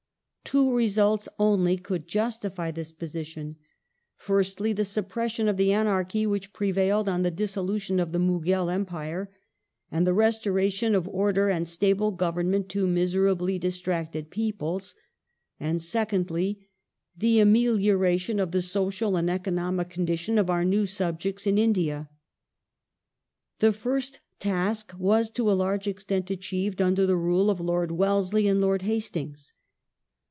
Two results only t could justify that position : fii st^, the suppression of the anarchy which prevailed on the dissolution of the Mughal Empire and the restoration of order and stable government to miserably dis tracted peoples ; and, secondly, the amelioration of the social and "^economic condition of our new subjects in India. The fii*st task was to a large extent achieved under the i ule of Lord Wellesley and Lord Hastings.